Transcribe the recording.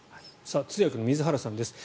通訳の水原さんです。